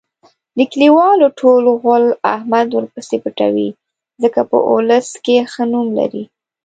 د کلیوالو ټول غول احمد ورپسې پټوي. ځکه په اولس کې ښه نوم لري.